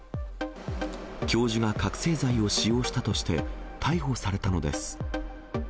教授が覚醒剤を使用したとして逮捕されたのです。